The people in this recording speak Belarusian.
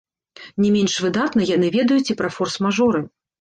Не менш выдатна яны ведаюць і пра форс-мажоры.